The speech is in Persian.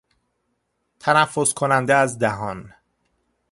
تنفس کننده از دهان